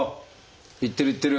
いってるいってる！